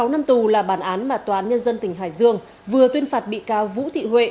một mươi năm tù là bản án mà tòa án nhân dân tỉnh hải dương vừa tuyên phạt bị cáo vũ thị huệ